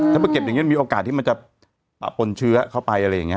ถ้าเก็บอย่างงี้มีโอกาสที่มันจะปะปนเชื้อเข้าไป